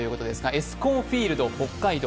エスコンフィールド北海道。